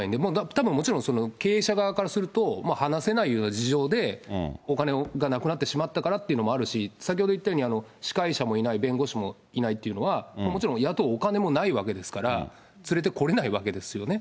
たぶんもちろん、経営者側からすると、話せないような事情で、お金がなくなってしまったからっていうのもあるし、先ほど言ったように、司会者もいない、弁護士もいないっていうのは、これはもちろん雇うお金もないわけですから、連れてこれないわけですよね。